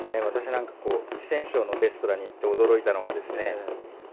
私なんかこう四川省のレストランに行って驚いたのがですね